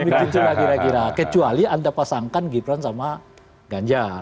begitu lah kira kira kecuali anda pasangkan gibran sama ganjar